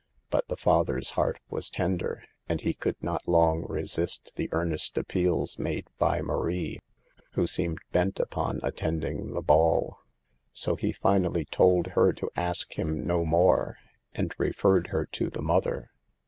But the father's heart was tender, and he could not long resist the earnest appeals made by Marie, who seemed bent upon attending the ball. So he. finally told her to ask him no more, and referred her to the mother.